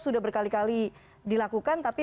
sudah berkali kali dilakukan tapi